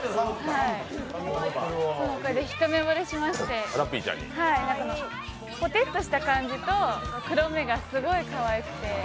一目ぼれしまして、ぽてっとした感じと黒目がすごいかわいくて。